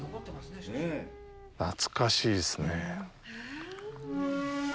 懐かしいですねぇ。